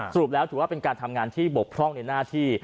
สรุปแล้วถือว่าเป็นการทำงานที่บกพร่องในหน้าที่